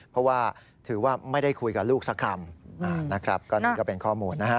เพราะว่าถือว่าไม่ได้คุยกับลูกสักคำนะครับก็นี่ก็เป็นข้อมูลนะฮะ